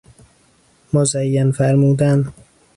مزین فرمودن